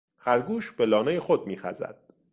خرگوش به لانهی خود میخزد.